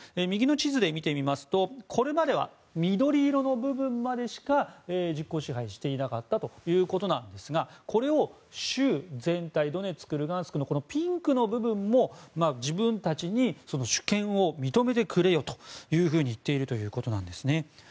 右の地図で見てみますとこれまでは緑色の部分までしか実効支配していなかったということですがこれを州全体ドネツク、ルガンスクのピンクの部分も自分たちに主権を認めてくれと言っているということです。